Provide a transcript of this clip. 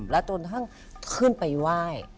แล้วจนกระทั่งขึ้นไปไหว้